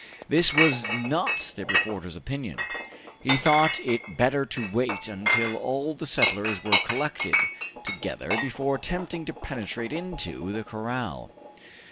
This was not the reporter's opinion. He thought it better to wait until all the settlers were collected together before attempting to penetrate into the corral.